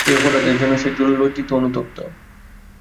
এই অপরাধের জন্যে সে লজ্জিত, অনুতপ্ত।